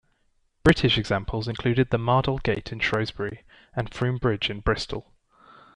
British examples included the Mardol Gate in Shrewsbury and Froome Bridge in Bristol.